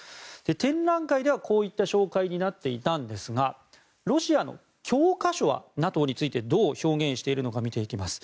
展覧会ではこういった紹介になっていたんですがロシアの教科書はＮＡＴＯについてどう表現しているのか見ていきます。